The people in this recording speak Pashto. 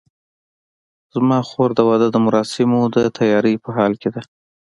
زما خور د واده د مراسمو د تیارۍ په حال کې ده